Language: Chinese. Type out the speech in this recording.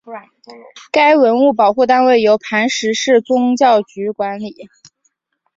该文物保护单位由磐石市宗教局管理。